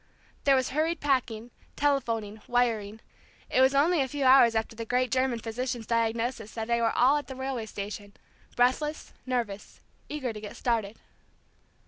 There was hurried packing, telephoning, wiring; it was only a few hours after the great German physician's diagnosis that they were all at the railway station, breathless, nervous, eager to get started.